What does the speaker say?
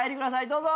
どうぞ。